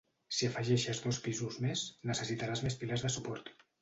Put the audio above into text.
Si afegeixes dos pisos més, necessitaràs més pilars de suport.